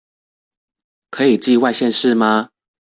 可以寄外縣市嗎